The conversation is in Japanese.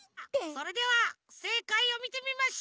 それではせいかいをみてみましょう。